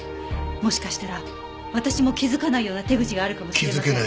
もしかしたら私も気づかないような手口があるかもしれません。